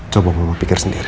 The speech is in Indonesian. coba mama pikir sendiri